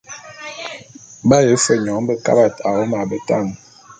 B’aye fe nyoň bekabat awom a betan.